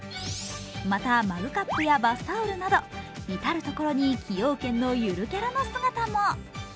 また、マグカップやバスタオルなど、至る所に崎陽軒のゆるキャラの姿も。